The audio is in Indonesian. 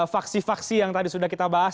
vaksi vaksi yang tadi sudah kita bahas